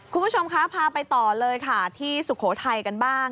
คุณผู้ชมคะพาไปต่อเลยค่ะที่สุโขทัยกันบ้าง